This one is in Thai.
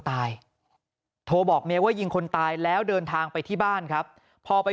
ตายโทรบอกเมียว่ายิงคนตายแล้วเดินทางไปที่บ้านครับพอไป